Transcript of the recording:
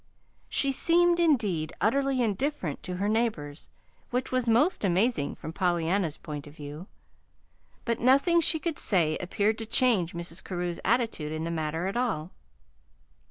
She seemed, indeed, utterly indifferent to her neighbors, which was most amazing from Pollyanna's point of view; but nothing she could say appeared to change Mrs. Carew's attitude in the matter at all.